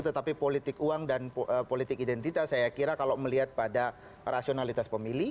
tetapi politik uang dan politik identitas saya kira kalau melihat pada rasionalitas pemilih